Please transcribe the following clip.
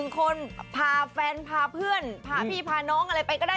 คนพาแฟนพาเพื่อนพาพี่พาน้องอะไรไปก็ได้